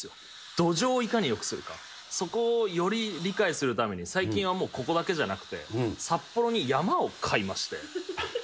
土壌をいかによくするか、そこをより理解するために、最近はもうここだけじゃなくて、札幌に山を買いまして。